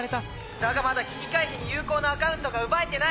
だがまだ危機回避に有効なアカウントが奪えてない！